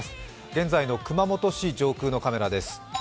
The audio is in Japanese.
現在の熊本市上空のカメラです。